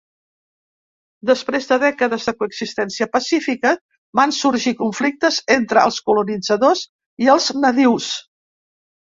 Després de dècades de coexistència pacífica, van sorgir conflictes entre els colonitzadors i els nadius.